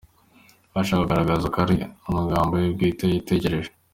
ashaka kugaragaza ko ari amagambo ye bwite yitekerereje.